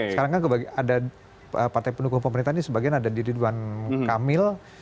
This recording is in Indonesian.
sekarang kan ada partai pendukung pemerintah ini sebagian ada di ridwan kamil